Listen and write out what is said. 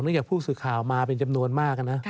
เนื้ออย่างผู้สึกข่าวมาเป็นจำนวนมากนะ